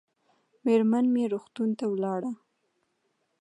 مېرمن مې روغتون ته ولاړه